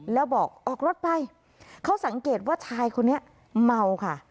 แล้วบอกออกรถไปเขาสังเกตว่าชายคนนี้เมาค่ะ